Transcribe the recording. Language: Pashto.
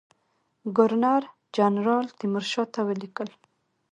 ګورنر جنرال تیمورشاه ته ولیکل.